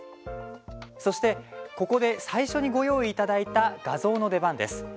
そして、ここで最初にご用意いただいた画像の出番です。